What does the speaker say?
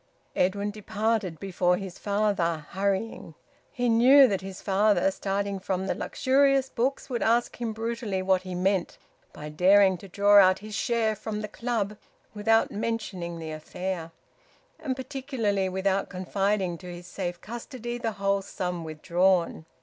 Edwin departed before his father, hurrying. He knew that his father, starting from the luxurious books, would ask him brutally what he meant by daring to draw out his share from the Club without mentioning the affair, and particularly without confiding to his safe custody the whole sum withdrawn.